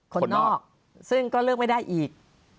คนนอกซึ่งก็เลือกไม่ได้อีก